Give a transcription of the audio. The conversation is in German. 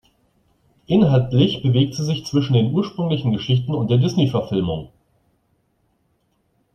Inhaltlich bewegt sie sich zwischen den ursprünglichen Geschichten und der Disney-Verfilmung.